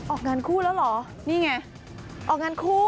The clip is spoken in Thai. ออกงานคู่แล้วเหรอนี่ไง